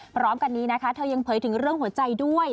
พร้อมกันนี้นะคะเธอยังเผยถึงเรื่องหัวใจด้วย